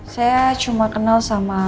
saya cuma kenal sama